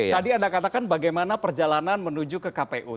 tadi anda katakan bagaimana perjalanan menuju ke kpu